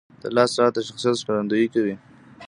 • د لاس ساعت د شخصیت ښکارندویي کوي.